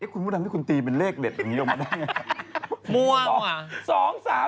คุณต้องทำให้คุณตีเป็นเลขเด็ดอย่างนี้มาได้ไง